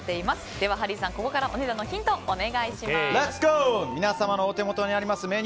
ではハリーさん、ここからお値段のヒントをお願いします。